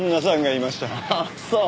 ああそう。